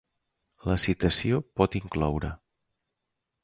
La citació pot incloure: